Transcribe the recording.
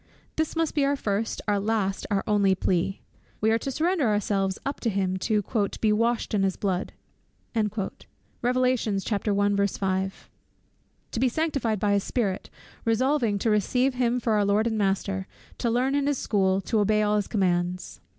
This must be our first, our last, our only plea. We are to surrender ourselves up to him to "be washed in his blood," to be sanctified by his Spirit, resolving to receive him for our Lord and Master, to learn in his school, to obey all his commandments.